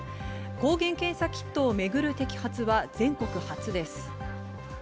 抗原検査キットをめぐる摘発は全国初です。